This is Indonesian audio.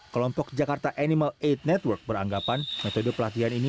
kelompok jakarta animal aid network beranggapan metode pelatihan ini